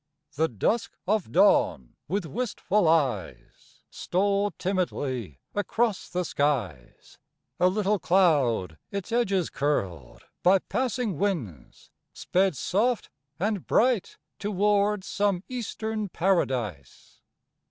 The dusk of dawn with wistful eyes Stole timidly across the skies, A little cloud its edges curled By passing winds sped soft and bright Towards some Eastern Paradise.